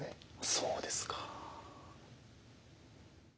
そうですか。